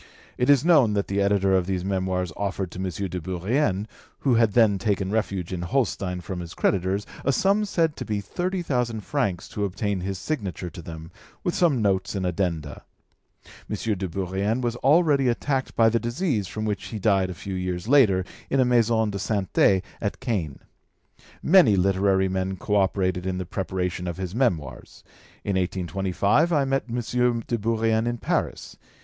It is known that the editor of these Memoirs offered to M. de Bourrienne, who had then taken refuge in Holstein from his creditors, a sum said to be thirty thousand francs to obtain his signature to them, with some notes and addenda. M. de Bourrienne was already attacked by the disease from which he died a few years latter in a maison de santé at Caen. Many literary men co operated in the preparation of his Memoirs. In 1825 I met M. de Bourrienne in Paris.